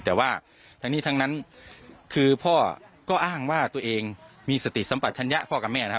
แต่ว่าทั้งนั้นคือพอก็อ้างว่าตัวเองมีสติสัมภัณฑ์ฉันญะพอกับแม่